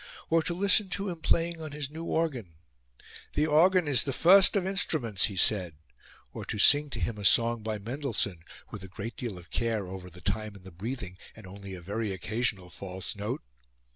Or to listen to him playing on his new organ 'The organ is the first of instruments,' he said; or to sing to him a song by Mendelssohn, with a great deal of care over the time and the breathing, and only a very occasional false note!